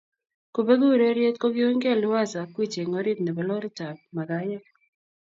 kobeku ureryet kokiunygei Liwazo ak Gwiji eng orit nebo loritab makayek